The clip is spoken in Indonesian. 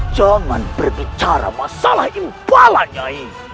jangan berbicara masalah imbalan nyai